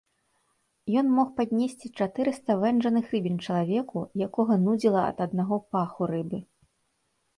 Ён мог паднесці чатырыста вэнджаных рыбін чалавеку, якога нудзіла ад аднаго паху рыбы.